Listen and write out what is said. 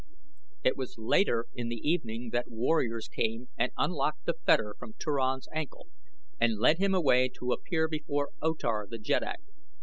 It was later in the evening that warriors came and unlocked the fetter from Turan's ankle and led him away to appear before O Tar, the jeddak.